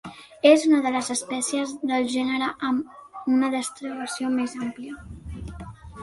És una de les espècies del gènere amb una distribució més àmplia.